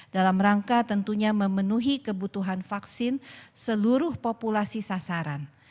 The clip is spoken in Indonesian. dalam rangka tentunya memenuhi kebutuhan vaksin seluruh populasi sasaran